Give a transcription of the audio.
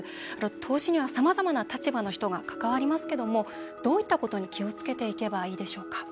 投資には、さまざまな立場の人が関わりますけどもどういったことに気を付けていけばいいでしょうか。